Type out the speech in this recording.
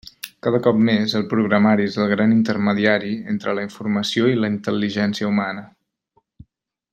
Cada cop més, el programari és el gran intermediari entre la informació i la intel·ligència humana.